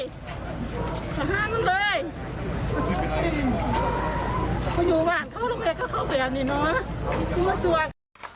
สว่าคืออยู่หวานเข้ารุ่มใครเข้าครัวนี่น้ำพวกทาวน